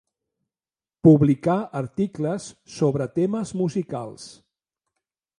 Publicà articles sobre temes musicals.